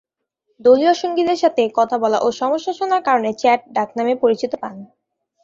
দলীয় সঙ্গীদের সাথে কথা বলা ও সমস্যা শোনার কারণে ‘চ্যাট’ ডাকনামে পরিচিতি পান।